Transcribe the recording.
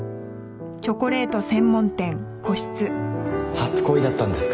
初恋だったんですか。